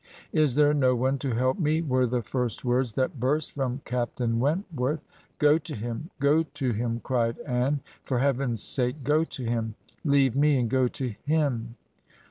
'Is there no one to help me?' were the first words that burst from Captain Wentworth. 'Go to him; go to him,' cried Anne ;' for Heaven's sake, go to him. Leave me and go to him.